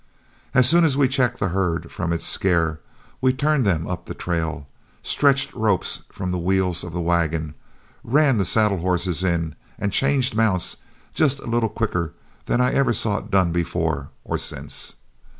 As soon as we checked the herd from its scare, we turned them up the trail, stretched ropes from the wheels of the wagon, ran the saddle horses in, and changed mounts just a little quicker than I ever saw it done before or since.